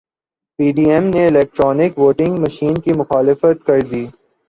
پی D M نے electronic voting machine کی مخالفت کردی